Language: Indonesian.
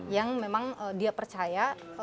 yang memang dia percaya